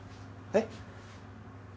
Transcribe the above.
えっ？